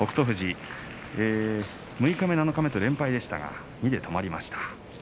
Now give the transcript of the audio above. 富士、六日目七日目と連敗でしたが２で止まりました。